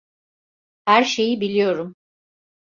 Her şeyi biliyorum.